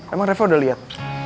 emang reva udah liat